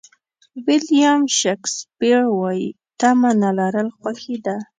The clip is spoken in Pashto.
ویلیام شکسپیر وایي تمه نه لرل خوښي ده.